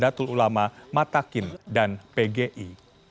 datul ulama matakin dan pgi